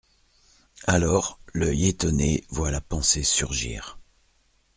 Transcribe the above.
Alors, l'œil étonné voit la pensée surgir.